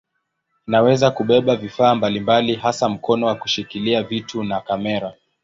Inaweza kubeba vifaa mbalimbali hasa mkono wa kushikilia vitu na kamera.